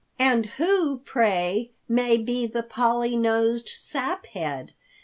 "And who, pray, may be the Polly nosed Saphead?"